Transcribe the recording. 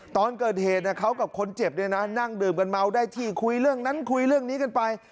ตอนเกิดเหตุเขากับคนเจ็บเนี่ยนะนั่งดื่มกันเมาได้ที่คุยเรื่องนั้นคุยเรื่องนี้กันไป